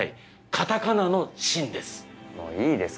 カタカナの「シン」です。